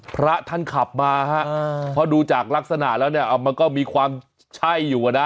พระท่านขับมาฮะเพราะดูจากลักษณะแล้วเนี่ยมันก็มีความใช่อยู่อะนะ